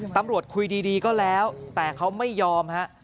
ตำรวจคุยดีก็แล้วแต่เขาไม่ยอมฮะ